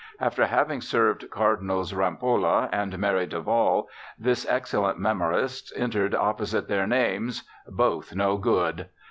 After having served Cardinals Rampolla and Merry del Val, this excellent memoirist entered opposite their names, "Both no good."